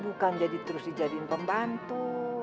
bukan jadi terus dijadiin pembantu